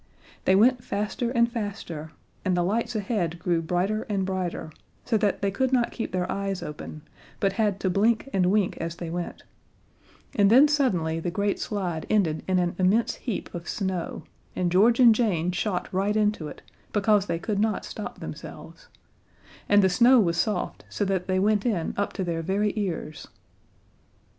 They went faster and faster, and the lights ahead grew brighter and brighter so that they could not keep their eyes open, but had to blink and wink as they went and then suddenly the great slide ended in an immense heap of snow, and George and Jane shot right into it because they could not stop themselves, and the snow was soft, so that they went in up to their very ears.